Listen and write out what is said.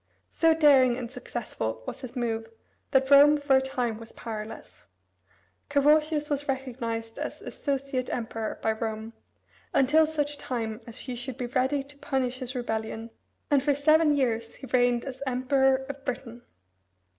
So daring and successful was his move that Rome for a time was powerless. Carausius was recognized as "associate" emperor by Rome, until such time as she should be ready to punish his rebellion, and for seven years he reigned as emperor of Britain.